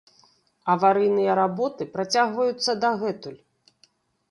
Аварыйныя работы працягваюцца дагэтуль.